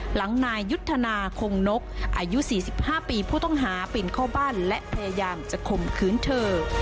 หลังนายยุทธนาคงนกอายุ๔๕ปีผู้ต้องหาปีนเข้าบ้านและพยายามจะข่มขืนเธอ